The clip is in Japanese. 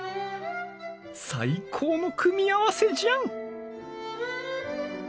最高の組み合わせじゃん！